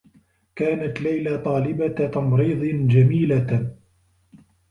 كانت ليلى طالبة تمريض جميلة.